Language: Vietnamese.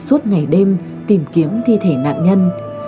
suốt ngày đêm tìm kiếm thi thể nạn nhân